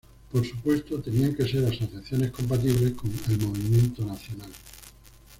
Por supuesto tenían que ser asociaciones compatibles con el Movimiento Nacional.